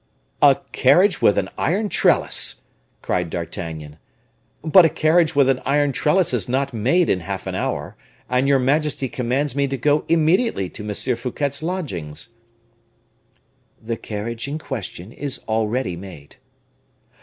"A carriage with an iron trellis!" cried D'Artagnan; "but a carriage with an iron trellis is not made in half an hour, and your majesty commands me to go immediately to M. Fouquet's lodgings." "The carriage in question is already made."